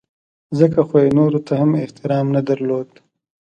ځکه خو یې نورو ته هم احترام نه درلود.